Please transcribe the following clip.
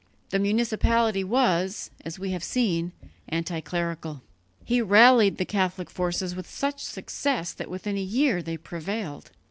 The municipality was, as we have seen, anti clerical. He rallied the Catholic forces with such success that within a year they prevailed.